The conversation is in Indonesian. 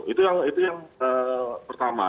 itu yang pertama